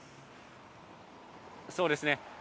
そうですね。